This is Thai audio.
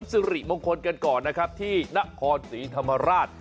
สิริมงคลกันก่อนนะครับที่นครศรีธรรมราช